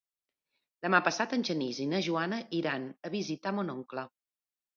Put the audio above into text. Demà passat en Genís i na Joana iran a visitar mon oncle.